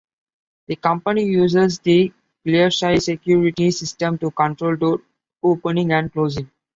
The company uses the ClearSy security system to control door opening and closing.